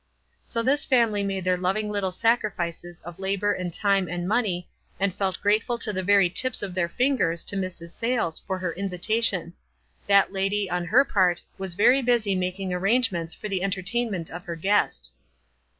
So this family made their loving little sacrifices of labor and time and money, and felt grateful to the very tips of their fingers to Mrs. Sayles for her invitation. That lady, on her part, was very busy making arrangements for the enter tainment of her guest.